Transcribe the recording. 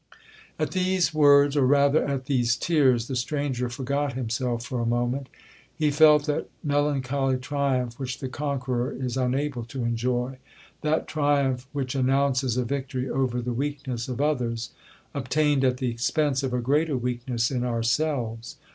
'At these words, or rather at these tears, the stranger forgot himself for a moment. He felt that melancholy triumph which the conqueror is unable to enjoy; that triumph which announces a victory over the weakness of others, obtained at the expence of a greater weakness in ourselves.